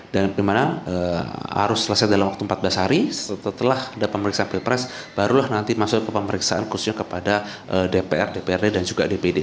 dan dimana harus selesai dalam waktu empat belas hari setelah ada pemeriksaan pilek press barulah nanti masuk ke pemeriksaan khususnya kepada dpr dprd dan juga dpd